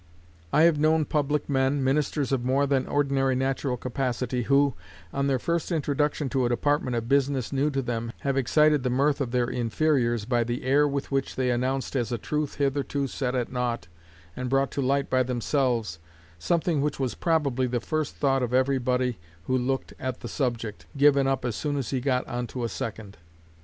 I have known public men, ministers of more than ordinary natural capacity, who, on their first introduction to a department of business new to them, have excited the mirth of their inferiors by the air with which they announced as a truth hitherto set at nought, and brought to light by themselves, something which was probably the first thought of every body who ever looked at the subject, given up as soon as he had got on to a second.